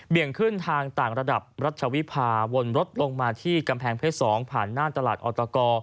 งขึ้นทางต่างระดับรัชวิภาวนรถลงมาที่กำแพงเพชร๒ผ่านหน้าตลาดออตก